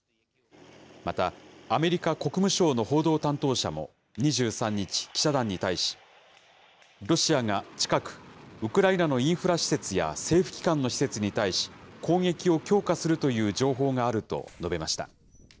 またアメリカ国務省の報道担当者も２３日、記者団に対し、ロシアが近くウクライナのインフラ施設や政府機関の施設に対し、攻撃を強化するという情報があると述べました。